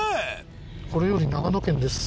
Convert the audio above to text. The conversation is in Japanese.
これより長野県です。